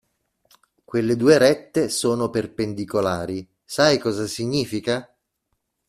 Quelle due rette sono perpendicolari, sai cosa significa?